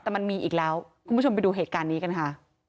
แต่มันมีอีกแล้วคุณผู้ชมไปดูเหตุการณ์นี้กันค่ะ